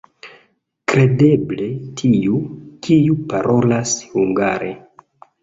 Kredeble tiu, kiu parolas hungare.